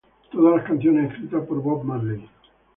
Todas las canciones escritas por Bob Marley.